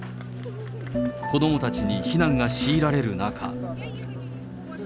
子どもたちに避難が強いられる中。